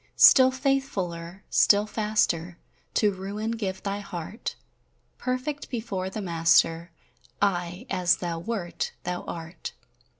Still faithfuller, still faster, To ruin give thy heart: Perfect before the Master Aye as thou wert, thou art.